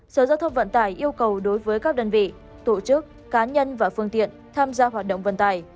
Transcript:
sở giao thông vận tải yêu cầu đối với các đơn vị tổ chức cá nhân và phương tiện tham gia hoạt động vận tải